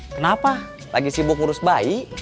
kenapa lagi sibuk ngurus bayi